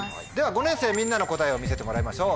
５年生みんなの答えを見せてもらいましょう。